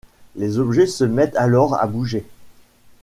Les objets se mettent alors à bouger.